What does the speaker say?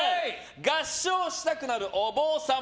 合掌したくなるお坊さん